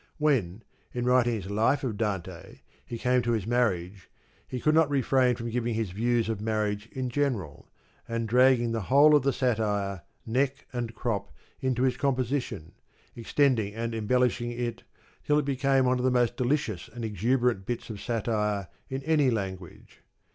When, in writing his " Life of Dante," he came to his marriage, he could not re frain from giving his views of marriage in general, and dragging the whole of the satire, neck and crop, into his composition, extending and embellishing it till it became one of the most delicious and exuberant bits of satire in any language.